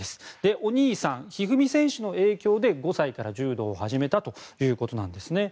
お兄さん、一二三選手の影響で５歳から柔道を始めたということです。